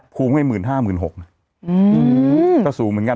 คูงให้๑๕๐๐๐๑๖๐๐๐ก็สูงเหมือนกัน